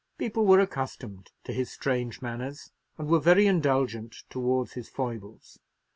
People were accustomed to his strange manners, and were very indulgent towards his foibles.